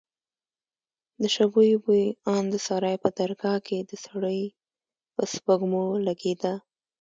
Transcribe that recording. د شبيو بوى ان د سراى په درگاه کښې د سړي په سپږمو لگېده.